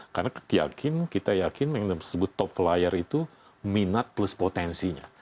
karena kita yakin kita yakin yang disebut top flyer itu minat plus potensinya